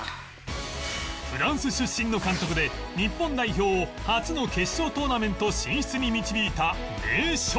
フランス出身の監督で日本代表を初の決勝トーナメント進出に導いた名将